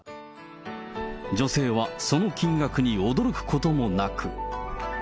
女性はその金額に驚くこともなく。